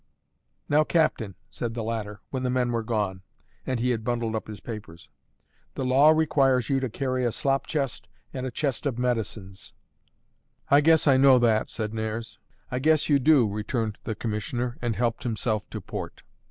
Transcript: "Now, captain," said the latter, when the men were gone, and he had bundled up his papers, "the law requires you to carry a slop chest and a chest of medicines." "I guess I know that," said Nares. "I guess you do," returned the commissioner, and helped himself to port.